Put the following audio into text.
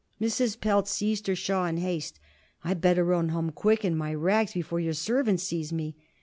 Mrs. Pelz seized her shawl in haste. "I better run home quick in my rags before your servant sees me."